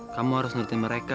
kamu harus nurutin mereka